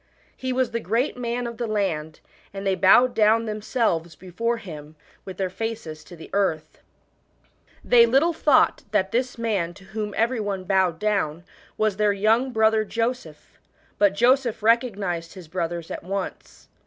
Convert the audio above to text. He was the great man of the land, and they bowed down themselves before him with their face? to the earth. They little thought that this man to whom every one bowed down was their young brother Joseph, but Joseph recognised his brothers at once.